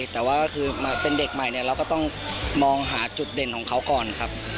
แต่ว่าคือมาเป็นเด็กใหม่เนี่ยเราก็ต้องมองหาจุดเด่นของเขาก่อนครับ